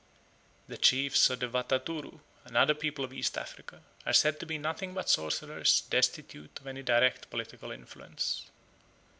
The chiefs of the Wataturu, another people of East Africa, are said to be nothing but sorcerers destitute of any direct political influence.